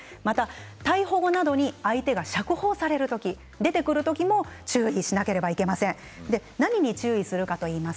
また逮捕後などに相手が釈放される時出てくる時も注意しなくてはなりません。